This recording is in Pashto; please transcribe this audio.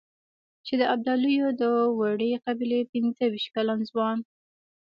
چې د ابدالیو د وړې قبيلې پنځه وېشت کلن ځوان.